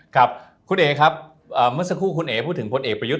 ครับคุณเอ๋ครับเมื่อสักครู่คุณเอ๋พูดถึงพลเอกประยุทธ์